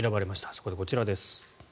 そこでこちらです。